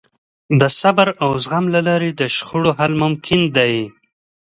د صبر او زغم له لارې د شخړو حل ممکن دی.